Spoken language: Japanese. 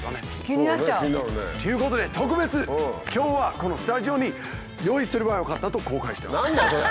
気になっちゃう！っていうことで特別今日はこのスタジオに用意すればよかったと後悔してます。